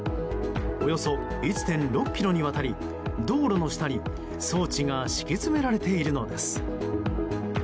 およそ１．６ｋｍにわたり道路の下に装置が敷き詰められているのです。